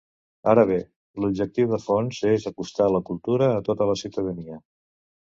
Ara bé, l’objectiu de fons és acostar la cultura a tota la ciutadania.